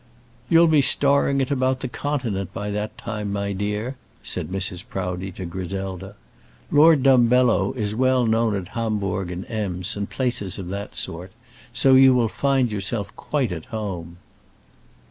"You'll be starring it about the Continent by that time, my dear," said Mrs. Proudie to Griselda. "Lord Dumbello is well known at Homburg and Ems, and places of that sort; so you will find yourself quite at home."